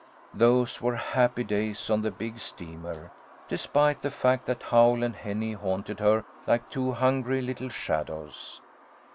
Those were happy days on the big steamer, despite the fact that Howl and Henny haunted her like two hungry little shadows.